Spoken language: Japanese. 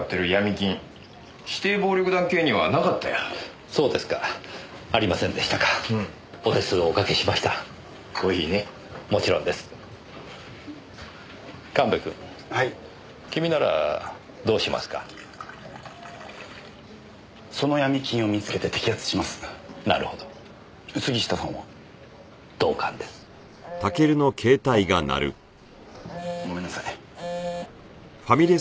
あっごめんなさい。